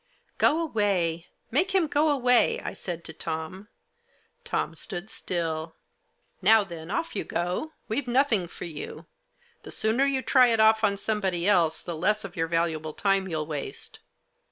" Go away ! Make him go away !" I said to Tom. Tom stood still. " Now then, off you go ! We've nothing for you. The sooner you try it off on somebody else, the less of your valuable time you'll waste."